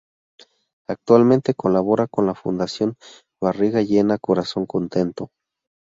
Actualmente colabora con la fundación Barriga Llena Corazón Contento.